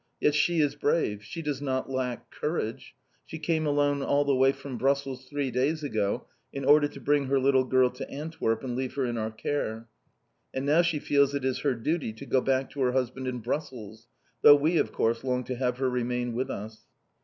Yet she is brave; she does not lack courage; she came alone all the way from Brussels three days ago in order to bring her little girl to Antwerp and leave her in our care. And now she feels it is her duty to go back to her husband in Brussels, though we, of course, long to have her remain with us."